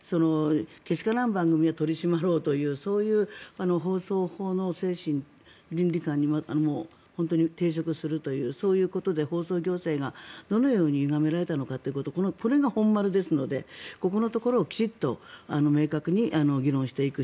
けしからん番組を取り締まろうというそういう放送法の精神、倫理観に本当に抵触するというそういうことで放送行政がどのようにゆがめられたのかというこれが本丸ですのでここのところをきちんと明確に議論していく